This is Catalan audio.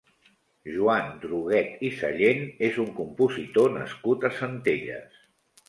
Joan Druguet i Sallent és un compositor nascut a Centelles.